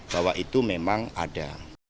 bahwa itu memang ada